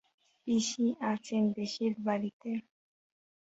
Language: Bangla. পিসি আছেন দেশের বাড়িতে।